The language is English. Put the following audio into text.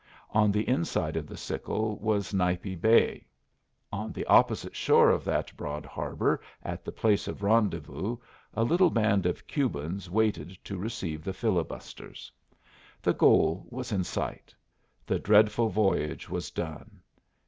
On the inside of the sickle was Nipe Bay. On the opposite shore of that broad harbor at the place of rendezvous a little band of Cubans waited to receive the filibusters. The goal was in sight. The dreadful voyage was done.